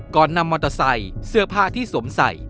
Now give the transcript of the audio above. ก่อนนำมอเตอร์ไซค์เสื้อผ้าที่สวมใส่